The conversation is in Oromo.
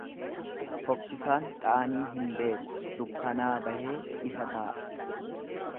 Fokkisaan qaanii hin beeku dukkanaa bahee ifa taa'a.